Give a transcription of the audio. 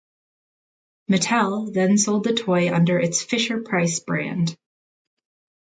Mattel then sold the toy under its Fisher-Price brand.